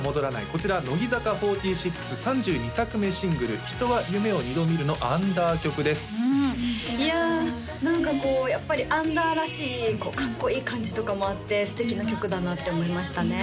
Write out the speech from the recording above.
こちら乃木坂４６３２作目シングル「人は夢を二度見る」のアンダー曲ですうんいや何かこうやっぱりアンダーらしいこうかっこいい感じとかもあって素敵な曲だなって思いましたね